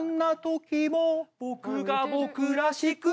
「僕が僕らしく」